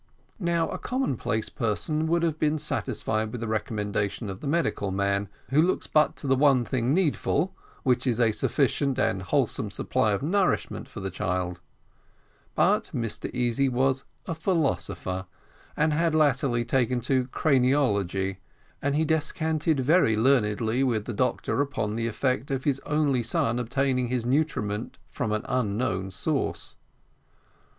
Now a commonplace person would have been satisfied with the recommendation of the medical man, who looks but to the one thing needful, which is a sufficient and wholesome supply of nourishment for the child; but Mr Easy was a philosopher, and had latterly taken to craniology, and he descanted very learnedly with the doctor upon the effect of his only son obtaining his nutriment from an unknown source.